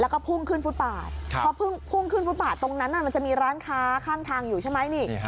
แล้วก็พุ่งขึ้นฟุตบาทพอพุ่งขึ้นฟุตบาทตรงนั้นมันจะมีร้านค้าข้างทางอยู่ใช่ไหมนี่